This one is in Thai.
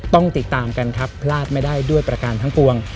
ต้องติดตามกันครับพลาดไม่ได้ด้วยประการทั้งปวง